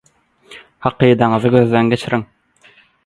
Hakydaňyzy gözden geçiriň.